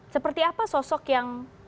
seperti apa sosok yang